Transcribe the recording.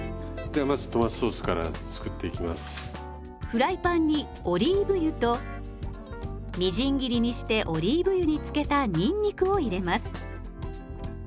フライパンにオリーブ油とみじん切りにしてオリーブ油に漬けたにんにくを入れます。